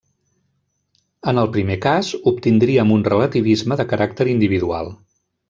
En el primer cas, obtindríem un relativisme de caràcter individual.